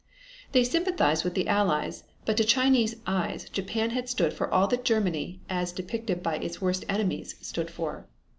They sympathized with the Allies, but to Chinese eyes Japan has stood for all that Germany, as depicted by its worst enemies, stood for.